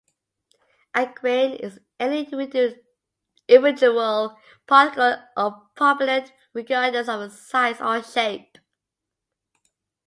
A grain is any individual particle of propellant regardless of the size or shape.